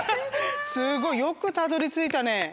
すごい。よくたどりついたね。